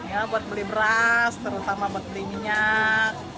ya buat beli beras terutama buat beli minyak